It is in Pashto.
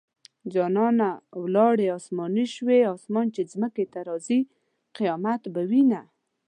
جانانه ولاړې اسماني شوې - اسمان چې ځمکې ته راځي؛ قيامت به وينه